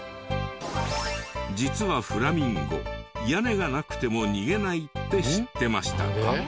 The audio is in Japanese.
実はフラミンゴ屋根がなくても逃げないって知ってましたか？